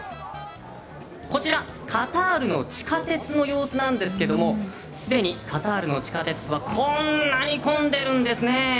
こちら、カタールの地下鉄の様子なんですけどもすでにカタールの地下鉄はこんなに混んでるんですね。